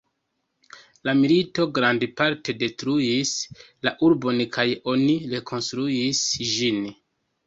La milito grandparte detruis la urbon, kaj oni rekonstruis ĝin.